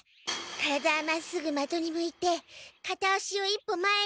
体はまっすぐまとに向いてかた足を一歩前に。